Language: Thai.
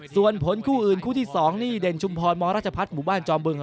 ส่วนผลคู่อื่นคู่ที่๒นี่เด่นชุมพรมรัชพัฒน์หมู่บ้านจอมบึง